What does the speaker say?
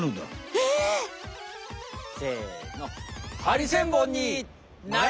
ええっ！せの。